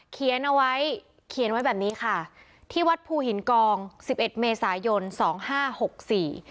เขียนเอาไว้เขียนไว้แบบนี้ค่ะที่วัดภูหินกองสิบเอ็ดเมษายนสองห้าหกสี่